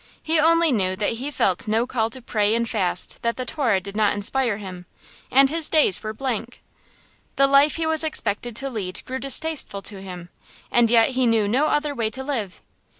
He only knew that he felt no call to pray and fast that the Torah did not inspire him, and his days were blank. The life he was expected to lead grew distasteful to him, and yet he knew no other way to live.